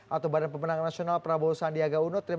atau badan pemenang nasional prabowo sandiaga uno